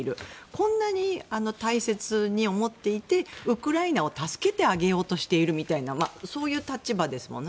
こんなに大切に思っていてウクライナを助けてあげようとしているみたいなそういう立場ですもんね。